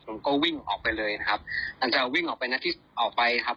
ผมก็วิ่งออกไปเลยนะครับมันจะวิ่งออกไปนัดที่ออกไปครับ